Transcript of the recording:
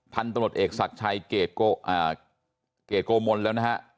ทันตระหนดเอกศักดิ์ชัยเกรดโกอ่าเกรดโกมนต์แล้วนะฮะ